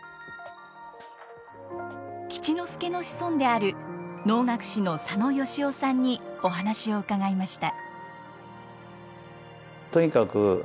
吉之助の子孫である能楽師の佐野由於さんにお話を伺いました。